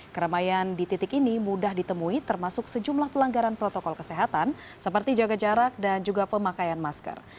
keramaian di titik ini mudah ditemui termasuk sejumlah pelanggaran protokol kesehatan seperti jaga jarak dan juga pemakaian masker